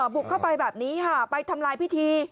บุกเข้าไปแบบนี้ค่ะไปทำลายพิธี